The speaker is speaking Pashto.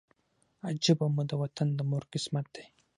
عجیبه مو د وطن د مور قسمت دی